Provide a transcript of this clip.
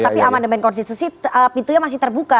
tapi amandemen konstitusi pintunya masih terbuka